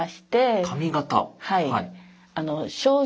はい。